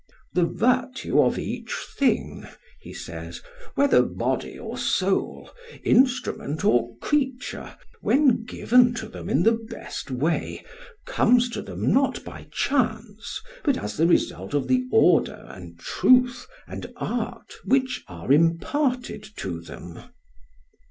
"The virtue of each thing," he says, "whether body or soul, instrument or creature, when given to them in the best way comes to them not by chance but as the result of the order and truth and art which are imparted to them."